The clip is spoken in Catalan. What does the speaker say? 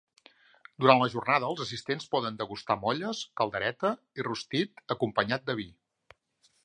Durant la jornada els assistents poden degustar molles, caldereta i rostit acompanyat de vi.